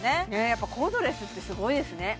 やっぱコードレスってすごいですね